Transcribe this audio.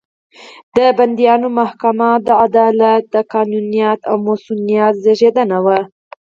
د بندیانو محاکمه د عدالت، قانونیت او مصونیت زېږنده وو.